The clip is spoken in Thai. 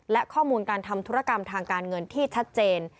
และข้อมูลการทำธุรกรรมทางการเงินที่ชัดเจน